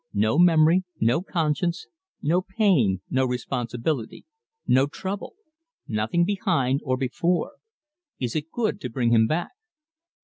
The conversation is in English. No memory, no conscience, no pain, no responsibility, no trouble nothing behind or before. Is it good to bring him back?"